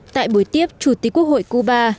tại buổi tiếp chủ tịch quốc hội cuba